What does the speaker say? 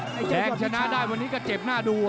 แดงชนะได้วันนี้ก็เจ็บหน้าดู